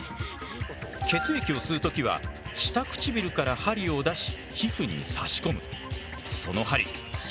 血液を吸う時は下唇から針を出し皮膚に差し込む。